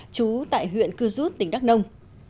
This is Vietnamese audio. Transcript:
trú tại huyện cư rút tỉnh đắk nông